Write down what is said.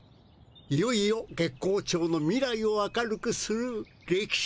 いよいよ月光町の未来を明るくするれきし